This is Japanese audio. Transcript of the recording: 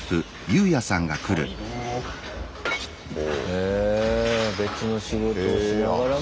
へぇ別の仕事をしながらも。